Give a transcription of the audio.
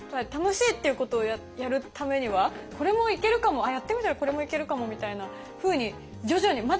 楽しいっていうことをやるためにはこれもイケるかもやってみたらこれもイケるかもみたいなふうに徐々に。